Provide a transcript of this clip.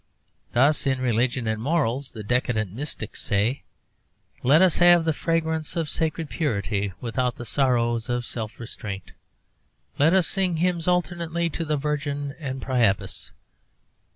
Thus, in religion and morals, the decadent mystics say: 'Let us have the fragrance of sacred purity without the sorrows of self restraint; let us sing hymns alternately to the Virgin and Priapus.'